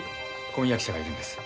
婚約者がいるんです。